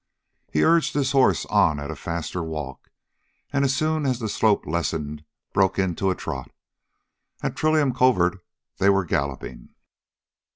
He urged his horse on at a faster walk, and as soon as the slope lessened broke into a trot. At Trillium Covert they were galloping.